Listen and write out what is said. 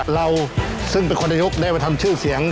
เราซึ่งเป็นคนนายกได้มาทำชื่อเสียง